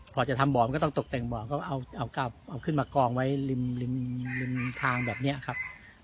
พอจะทำบ่อมันก็ต้องตกแต่งบ่อก็เอากลับเอาขึ้นมากองไว้ริมทางแบบนี้ครับ